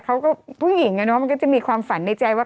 ผู้หญิงอะเนาะมันก็จะมีความฝันในใจว่า